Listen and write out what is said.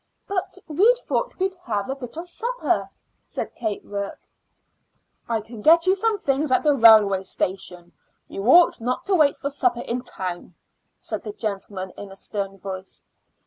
"But we thought we'd have a bit of supper," said Kate Rourke. "I can get you some things at the railway station; you ought not to wait for supper in town," said the gentleman in a stern voice.